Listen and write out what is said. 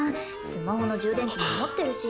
スマホの充電器も持ってるし。